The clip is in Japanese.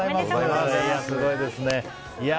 すごいですね。